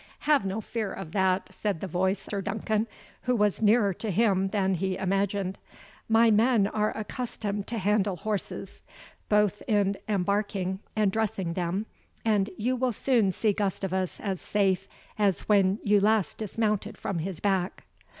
"Have no fear of that," said the voice of Sir Duncan, who was nearer to him than he imagined; "my men are accustomed to handle horses, both in embarking and dressing them, and you will soon see Gustavus as safe as when you last dismounted from his back."